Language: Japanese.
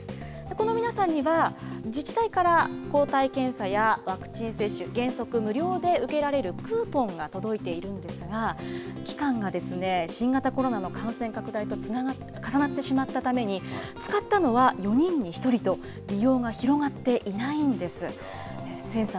この皆さんには、自治体から抗体検査やワクチン接種、原則無料で受けられるクーポンが届いているんですが、期間が新型コロナの感染拡大と重なってしまったために、使ったのは４人に１人と、利用が広がっていないんです。